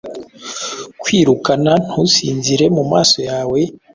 Kwirukana ntusinzire mumaso yawe,